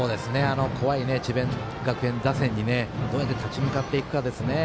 こわい智弁学園打線にどうやって立ち向かっていくかですね。